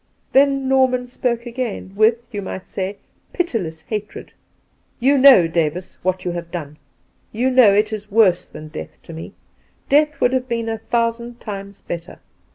Then Norman spoke again, with, you might say, pitiless hatred. " You know, Davis, what you have done ! You know it is worse than death to me. Death would have been a thousand times better.